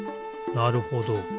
なるほど。